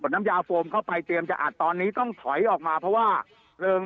น้ำยาโฟมเข้าไปเตรียมจะอัดตอนนี้ต้องถอยออกมาเพราะว่าเริง